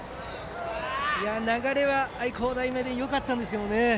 流れは愛工大名電もよかったんですけどね。